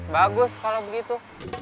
bagus kalau begitu